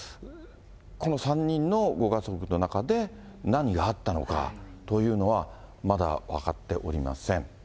この３人のご家族の中で何があったのかというのは、まだ分かっておりません。